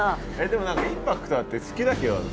でも何かインパクトあって好きだけど。